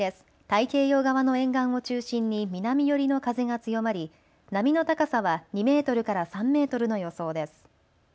太平洋側の沿岸を中心に南寄りの風が強まり波の高さは２メートルから３メートルの予想です。